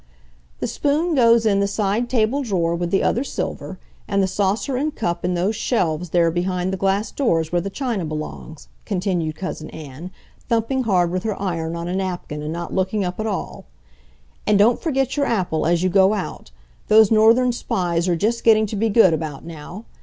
"The spoon goes in the side table drawer with the other silver, and the saucer and cup in those shelves there behind the glass doors where the china belongs," continued Cousin Ann, thumping hard with her iron on a napkin and not looking up at all, "and don't forget your apple as you go out. Those Northern Spies are just getting to be good about now.